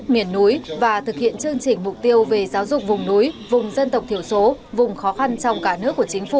miền núi và thực hiện chương trình mục tiêu về giáo dục vùng núi vùng dân tộc thiểu số vùng khó khăn trong cả nước của chính phủ